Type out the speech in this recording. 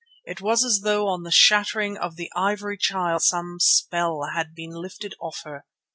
It was as though on the shattering of the Ivory Child some spell had been lifted off her.